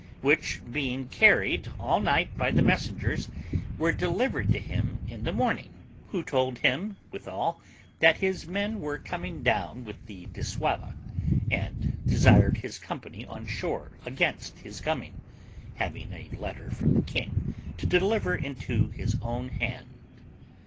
which, being carried all night by the messengers, was delivered to him in the morning, who told him withal that his men were coming down with the dissauva, and desired his company on shore against his coming, having a letter from the king to deliver into his own hand.